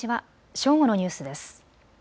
正午のニュースです。